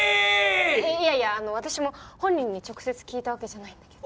いやいや私も本人に直接聞いたわけじゃないんだけど。